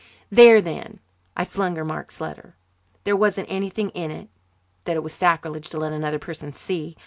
"There, then!" I flung her Mark's letter. There wasn't anything in it that it was sacrilege to let another person see.